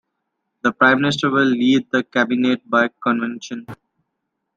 The Prime Minister will lead the Cabinet by convention.